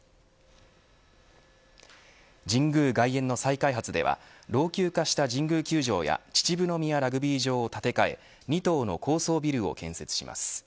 神宮外苑の再開発では老朽化した神宮球場や秩父宮ラグビー場を建て替え２棟の高層ビルを建設します。